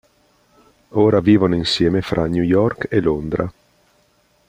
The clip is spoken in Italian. Ora vivono insieme fra New York e Londra.